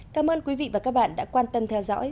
cảm ơn quý vị và các bạn đã quan tâm theo dõi